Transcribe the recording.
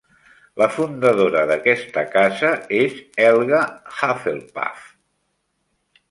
La fundadora d'aquesta casa és Helga Hufflepuff.